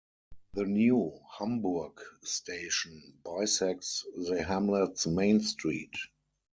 The New Hamburg station bisects the hamlet's Main Street.